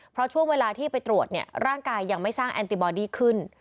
เพราะช่วงเวลาที่ไปตรวจเนี่ยร่างกายยังไม่สร้างแอนติบอดี้ขึ้น